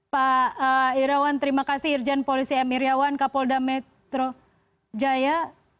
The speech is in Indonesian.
pak irawan terima kasih irjen polisi m iryawan kapolda metro jaya